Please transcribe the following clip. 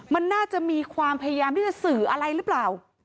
มันน่าจะมีความพยายามที่จะสื่ออะไรหรือเปล่า